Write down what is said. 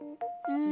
うん？